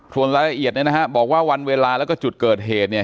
ส่วนรายละเอียดเนี่ยนะฮะบอกว่าวันเวลาแล้วก็จุดเกิดเหตุเนี่ย